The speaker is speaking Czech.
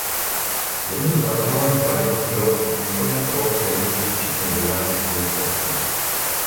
Jednou z navrhovaných variant bylo i úplné prolomení limitů včetně bourání celých obcí.